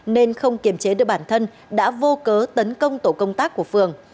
nên không kiềm chế được bản thân đã vô cớ tấn công tổ công tác của phường